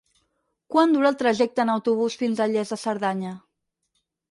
Quant dura el trajecte en autobús fins a Lles de Cerdanya?